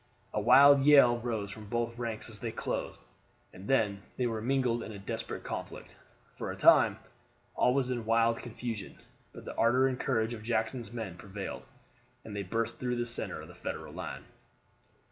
A wild yell rose from both ranks as they closed, and then they were mingled in a desperate conflict. For a time all was in wild confusion, but the ardor and courage of Jackson's men prevailed, and they burst through the center of the Federal line.